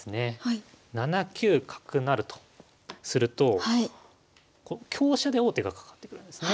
７九角成とすると香車で王手がかかってくるんですね。